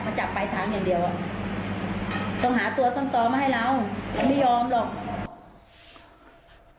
มันจับไปทั้ง๓อย่างเดียวต้องหาตัวต้นต้อมาให้เราไม่ยอมหรอก